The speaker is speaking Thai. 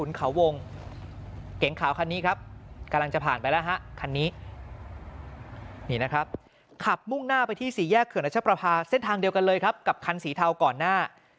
เนาชัพรภาเส้นทางเดียวกันเลยครับกับคันสีเท้าก่อนหน้า